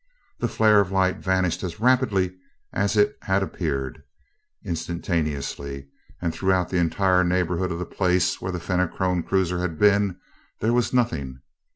That flare of light vanished as rapidly as it had appeared instantaneously and throughout the entire neighborhood of the place where the Fenachrone cruiser had been, there was nothing.